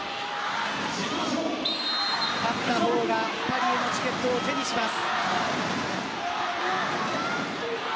勝った方がパリへのチケットを手にします。